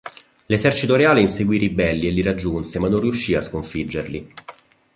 L'esercito reale inseguì i ribelli e li raggiunse ma non riuscì a sconfiggerli.